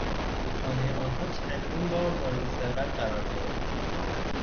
خانهی آنها چندین بار مورد سرقت قرار گرفت.